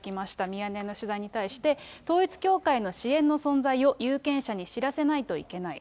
ミヤネ屋の取材に対して、統一教会の支援の存在を有権者に知らせないといけない。